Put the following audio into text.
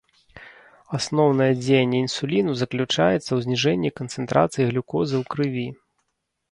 Асноўнае дзеянне інсуліну заключаецца ў зніжэнні канцэнтрацыі глюкозы ў крыві.